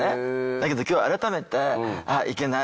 だけど今日改めてああいけない。